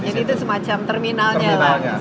jadi itu semacam terminalnya lah